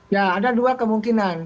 ya ada dua kemungkinan